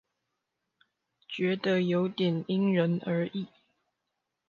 覺得有點因人而異